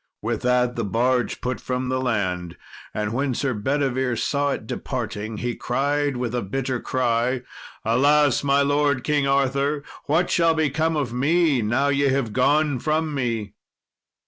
With that the barge put from the land, and when Sir Bedivere saw it departing, he cried with a bitter cry, "Alas! my lord King Arthur, what shall become of me now ye have gone from me?"